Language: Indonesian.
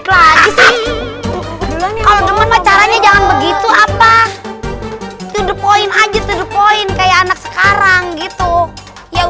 kalau demet caranya jangan begitu apa tidur poin aja the point kayak anak sekarang gitu ya